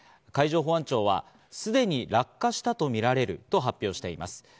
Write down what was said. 海上保安庁はすでに落下したとみられると発表しています。